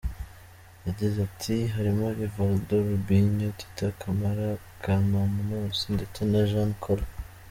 Yagize ati “Harimo Rivaldo, Robinho, Titi Camara, Kaklamanos ndetse na Jan Koller’’.